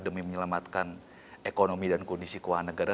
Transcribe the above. demi menyelamatkan ekonomi dan kondisi keuangan negara